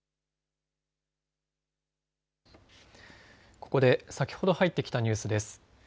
ここで先ほど入ってきたニュースです。